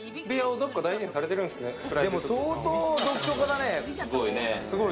相当読書家だね。